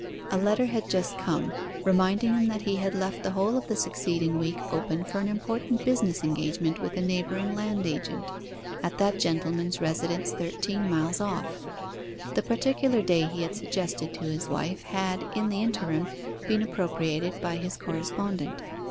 A letter had just come, reminding him that he had left the whole of the succeeding week open for an important business engagement with a neighbouring land agent, at that gentleman's residence thirteen miles off. The particular day he had suggested to his wife, had, in the interim, been appropriated by his correspondent.